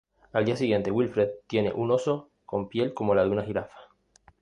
Al día siguiente, Wilfred tiene un Oso con piel como la una de jirafa.